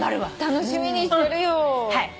楽しみにしてるよ。